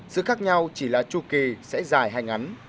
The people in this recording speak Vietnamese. sự khác nhau chỉ là chu kỳ sẽ dài hay ngắn